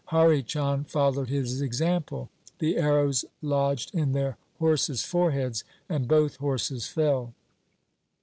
Hari Chand followed his example. The arrows lodged in their horses' foreheads and both horses fell.